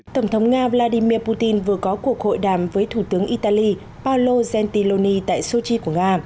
tổng thống nga vladimir putin vừa có cuộc hội đàm với thủ tướng italy palolo gentiloni tại sochi của nga